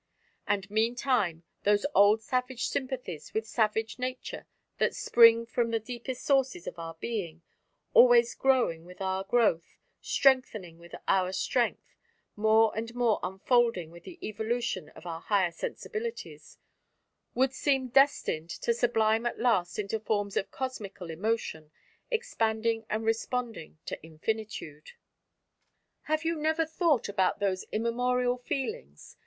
And meantime those old savage sympathies with savage Nature that spring from the deepest sources of our being, always growing with our growth, strengthening with our strength, more and more unfolding with the evolution of our higher sensibilities, would seem destined to sublime at last into forms of cosmical emotion expanding and responding to infinitude. Have you never thought about those immemorial feelings?...